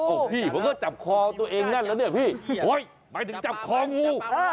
โอ้ยพี่มันก็จับคอตัวเองนั่นแล้วเนี่ยพี่โอ้ยไม่ถึงจับคองู